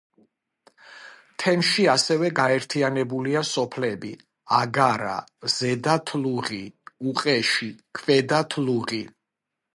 თემში ასევე გაერთიანებულია სოფლები: აგარა, ზედა თლუღი, უყეში, ქვედა თლუღი.